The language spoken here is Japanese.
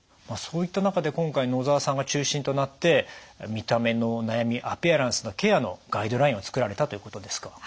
そういった中で今回野澤さんが中心となって見た目の悩みアピアランスのケアのガイドラインを作られたということですか？